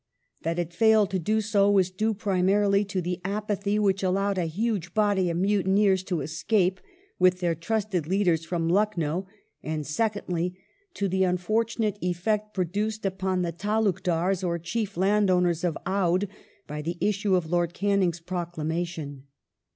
That it failed to do so was due primarily to the apathy which allowed a huge body of mutineers to escape, with their trusted leaders, from Lucknow, and secondly, to the unfortunate effect produced upon the tdlukdars, or chief landowners of Oudh, by the issue of Lord Canning's proclamation.